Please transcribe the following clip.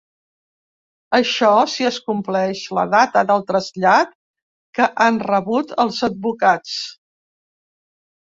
Això, si es compleix la data del trasllat que han rebut els advocats.